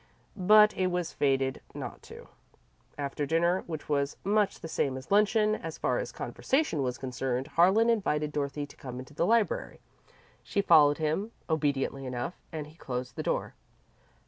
But it was fated not to. After dinner, which was much the same as luncheon, as far as conversation was concerned, Harlan invited Dorothy to come into the library. She followed him, obediently enough, and he closed the door.